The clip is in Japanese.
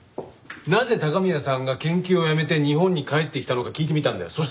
なぜ高宮さんが研究をやめて日本に帰ってきたのか聞いてみたんだよ。